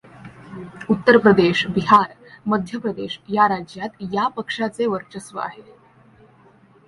उत्तर प्रदेश, बिहार, मध्य प्रदेश या राज्यात या पक्षाचे वर्चस्व आहे.